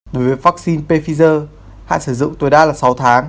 đối với vắc xin pfizer hạn sử dụng tuổi đa là sáu tháng